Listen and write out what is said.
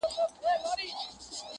ستا د پښو ترپ ته هركلى كومه.